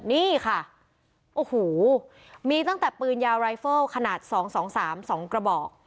นี่ค่ะโอ้โหมีตั้งแต่ปืนยาวรายเฟิลขนาด๒๒๓๒กระบอก